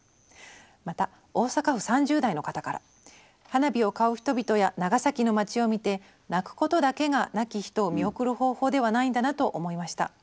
「花火を買う人々や長崎の街を見て泣くことだけが亡き人を見送る方法ではないんだなと思いました。